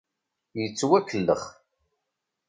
Yettwakellex.